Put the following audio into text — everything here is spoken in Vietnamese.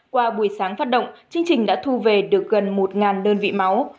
qua buổi sáng phát động chương trình đã thu về được gần một đơn vị máu